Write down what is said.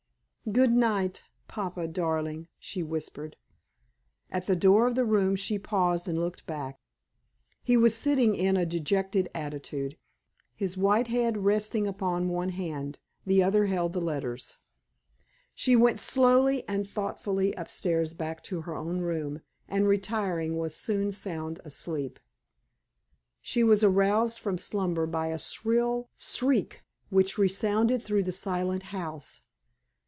"Good night, papa, darling," she whispered. At the door of the room she paused and looked back. He was sitting in a dejected attitude, his white head resting upon one hand; the other held the letters. She went slowly and thoughtfully upstairs back to her own room, and, retiring, was soon sound asleep. She was aroused from slumber by a shrill shriek which resounded through the silent house.